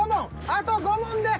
あと５問です。